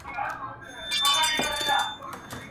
o په يوه ځين کي دوه کسه نه ځائېږي.